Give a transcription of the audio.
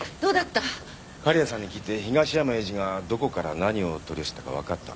狩矢さんに聞いて東山栄治がどこから何を取り寄せたか分かった。